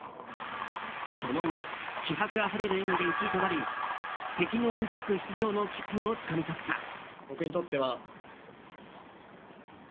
その後、気迫あふれる演技で１位となり北京オリンピック出場の切符をつかみ取った。